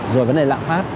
rồi vấn đề lạng phát